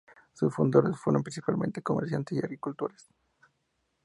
Sus fundadores fueron, principalmente, comerciantes y agricultores.